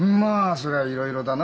そりゃいろいろだな。